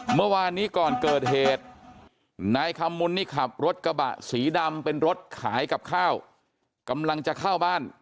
เมื่อวานนี้ก่อนเกิดเหตุนายคำมุนนี่ขับรถกระบะสีดำเป็นรถขายกับข้าวกำลังจะเข้าบ้าน